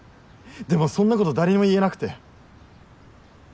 でもそんなこと誰にも言えなくて。